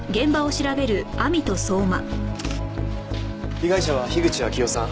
被害者は口秋生さん。